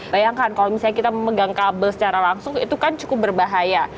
bayangkan kalau misalnya kita memegang kabel secara langsung itu kan cukup berbahaya